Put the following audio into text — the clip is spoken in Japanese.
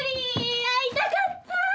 会いたかった！